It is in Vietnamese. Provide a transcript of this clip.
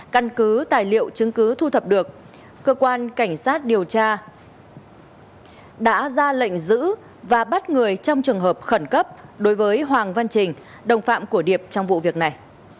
căn cứ tài liệu chứng cứ thu thập được cơ quan cảnh sát điều tra đã ra lệnh giữ và bắt người trong trường hợp khẩn cấp đối với hoàng văn trình đồng phạm của điệp trong vụ việc này